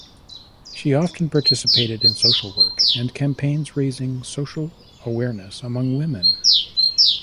She often participated in social work and campaigns raising social awareness among women.